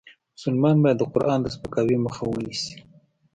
مسلمان باید د قرآن د سپکاوي مخه ونیسي .